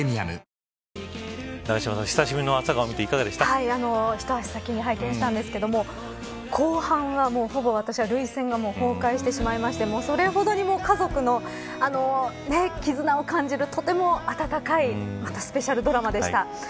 久しぶりの朝顔見てひと足先に拝見したんですけど後半は、ほぼ私は涙腺が崩壊してしまいましてそれほどに、家族の絆を感じるとても温かいスペシャルドラマでした。